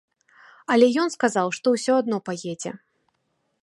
Але ён сказаў, што ўсё адно паедзе.